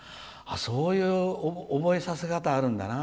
そういう覚えさせ方あるんだな。